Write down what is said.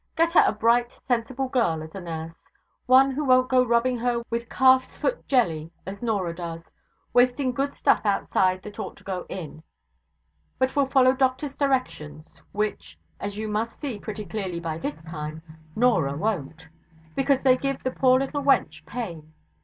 Get her a bright, sensible girl as a nurse; one who won't go rubbing her with calf's foot jelly as Norah does; wasting good stuff outside that ought to go in, but will follow doctors' directions; which, as you must see pretty clearly by this time, Norah won't; because they give the poor little wench pain.